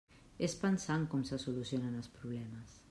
És pensant com se solucionen els problemes.